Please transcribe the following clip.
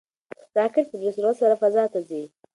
راکټ ډېر په سرعت سره فضا ته ځي.